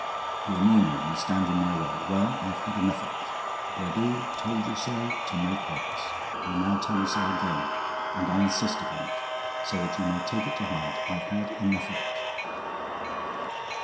You annoy me, you stand in my way. Well, I've had enough of it—Brédoux told you so to no purpose. I now tell you so again; and I insist upon it, so that you may take it to heart: I've had enough of it!"